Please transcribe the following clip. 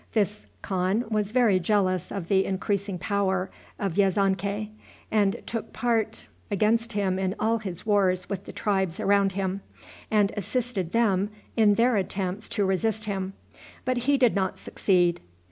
This khan was very jealous of the increasing power of Yezonkai, and took part against him in all his wars with the tribes around him, and assisted them in their attempts to resist him; but he did not succeed.